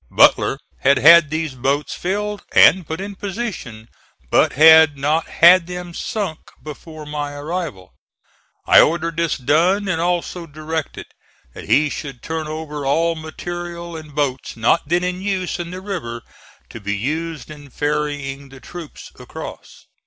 Butler had had these boats filled and put in position, but had not had them sunk before my arrival. I ordered this done, and also directed that he should turn over all material and boats not then in use in the river to be used in ferrying the troops across.